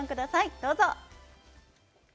どうぞ。